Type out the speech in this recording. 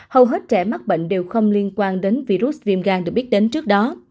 hầu hết trẻ mắc bệnh đều không liên quan đến virus viêm gan được biết đến trước đó